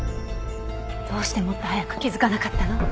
どうしてもっと早く気づかなかったの？